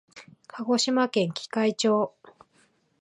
鹿児島県喜界町